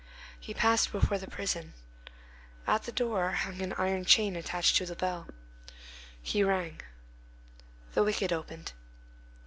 He passed before the prison. At the door hung an iron chain attached to a bell. He rang. The wicket opened.